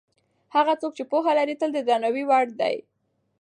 هغه څوک چې پوهه لري تل د درناوي وړ دی.